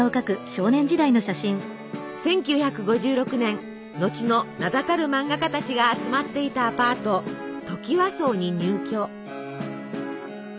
１９５６年後の名だたる漫画家たちが集まっていたアパート「トキワ荘」に入居。